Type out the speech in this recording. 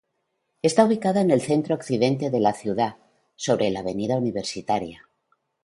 Está ubicada en el centro-occidente de la ciudad, sobre la Avenida Universitaria.